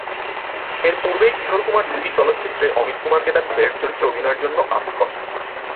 এর পূর্বেই কিশোর কুমার দুটি চলচ্চিত্রে অমিত কুমারকে তার ছেলের চরিত্রে অভিনয়ের জন্য কাস্ট করেন।